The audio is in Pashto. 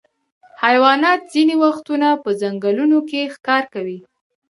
حیوانات ځینې وختونه په ځنګلونو کې ښکار کوي.